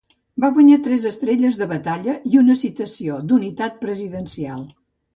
Va guanyar tres estrelles de batalla i una Citació d'Unitat Presidencial.